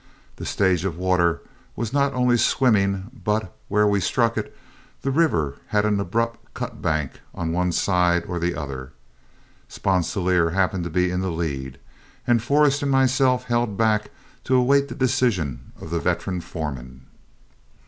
The stage of water was not only swimming, but where we struck it, the river had an abrupt cut bank on one side or the other. Sponsilier happened to be in the lead, and Forrest and myself held back to await the decision of the veteran foreman.